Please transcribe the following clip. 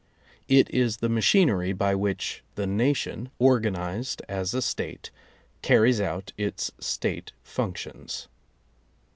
It is the machinery by which the nation, organized as a State, carries out its State functions.